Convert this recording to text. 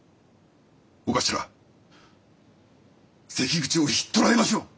長官関口をひっ捕らえましょう！